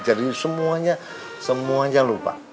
jadi semuanya semuanya lupa